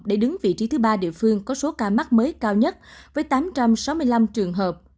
để đứng vị trí sống và đạt được một triệu tiêm vắc xin